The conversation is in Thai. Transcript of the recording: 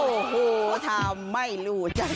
โอ้โฮทำไม่รู้